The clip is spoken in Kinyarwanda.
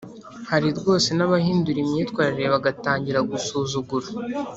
Hari rwose n’abahindura imyitwarire bagatangira gusuzugura